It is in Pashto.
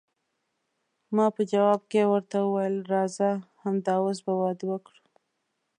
ما په جواب کې ورته وویل، راځه همد اوس به واده وکړو.